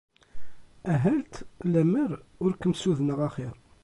Ahat lemmer ur kem-ssudneɣ axir.